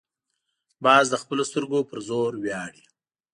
باز د خپلو سترګو پر زور ویاړي